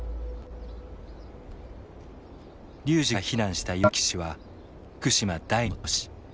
龍司が避難したいわき市は福島第２の都市。